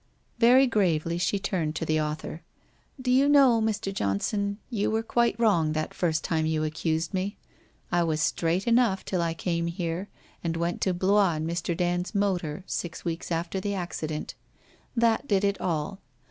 ' Very gravely she turned to the author. ' Do you know, Mr. Johnson, you were quite wrong that first time you accused me. I was straight enough till I came here, and WHITE ROSE OF WEARY LEAF 357 wont to Blois in Mr. Dand's motor, six weeks after the accident. That did it all.